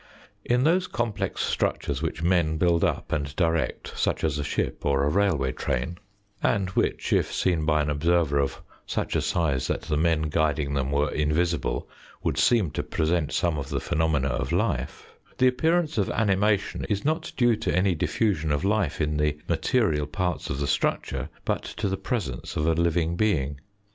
In those complex structures which men build up and direct, such as a ship or a railway train (and which, if seen by an observer of such a size that the men guiding them were invisible, would seem to present some of the phenomena of life) the appearance of animation is not due to any diffusion of life in the material parts of the structure, but to the presence of a living being.